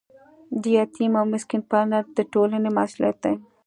د یتیم او مسکین پالنه د ټولنې مسؤلیت دی.